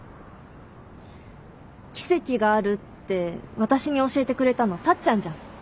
奇跡があるって私に教えてくれたのタッちゃんじゃん。